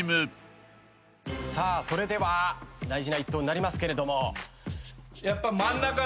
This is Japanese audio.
さあそれでは大事な一投になりますけれども。